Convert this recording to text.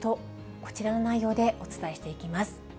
こちらの内容でお伝えしていきます。